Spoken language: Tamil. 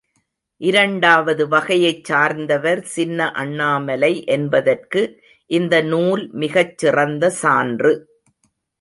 இரண்டாவது வகையைச் சார்ந்தவர் சின்ன அண்ணாமலை என்பதற்கு இந்த நூல் மிகச் சிறந்த சான்று.